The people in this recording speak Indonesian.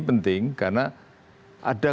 penting karena ada